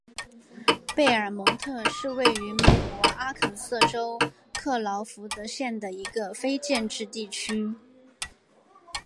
贝尔蒙特是位于美国阿肯色州克劳福德县的一个非建制地区。